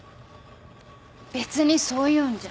別にそういうんじゃ。